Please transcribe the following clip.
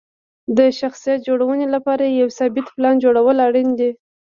د شخصیت جوړونې لپاره یو ثابت پلان جوړول اړین دي.